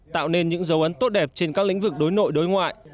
tạo nên những dấu ấn tốt đẹp trên các lĩnh vực đối nội đối ngoại